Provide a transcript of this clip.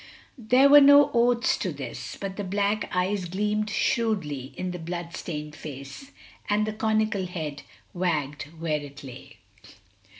There were no oaths to this; but the black eyes gleamed shrewdly in the blood stained face, and the conical head wagged where it lay.